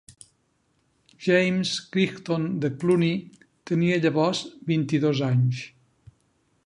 James Crichton de Cluny tenia llavors vint-i-dos anys.